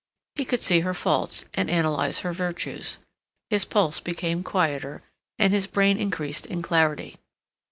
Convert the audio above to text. He could see her faults, and analyze her virtues. His pulse became quieter, and his brain increased in clarity.